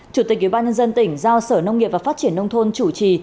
chủ tịch ubnd tỉnh giao sở nông nghiệp và phát triển nông thôn chủ trì